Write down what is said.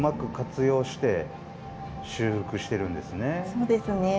そうですね。